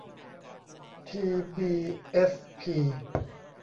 ทีบีเอสพี